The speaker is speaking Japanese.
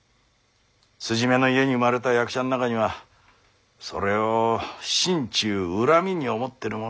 筋目の家に生まれた役者の中にはそれを心中恨みに思ってる者も少なくねえ。